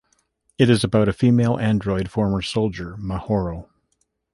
It is about a female android former soldier, Mahoro.